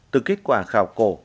từ kết quả khảo cổ